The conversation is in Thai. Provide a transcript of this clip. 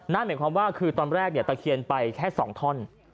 นั่นเหมือนความว่าคือตอนแรกเนี่ยตะเขียนไปแค่สองท่อน